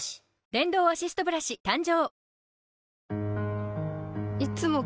電動アシストブラシ誕生！